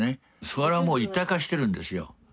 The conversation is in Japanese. それはもう一体化してるんですよ。